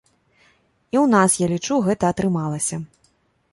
І ў нас, я лічу, гэта атрымалася.